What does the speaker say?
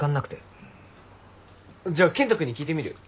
じゃあ健人君に聞いてみるよ。